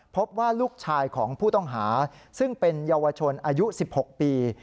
พบว่าลูกชายของผู้ต้องหาซึ่งเป็นเยาวชนอายุ๑๖ปี